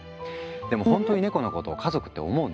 でもほんとにネコのことを家族って思うの？